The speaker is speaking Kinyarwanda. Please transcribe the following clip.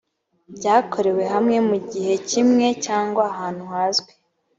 byakorewe hamwe mu gihe kimwe cyangwa ahantu hazwi